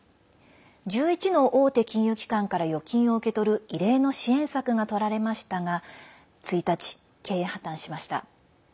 １１の大手金融機関から預金を受け取る異例の支援策がとられましたが１日、経営破綻しました。